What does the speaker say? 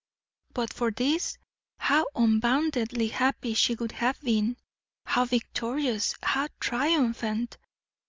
But for this, how unboundedly happy she would have been how victorious, how triumphant!